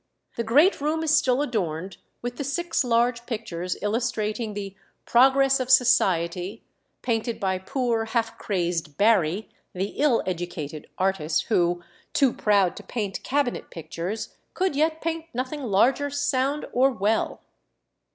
The great room is still adorned with the six large pictures illustrating the "Progress of Society," painted by poor, half crazed Barry, the ill educated artist, who, too proud to paint cabinet pictures, could yet paint nothing larger sound or well.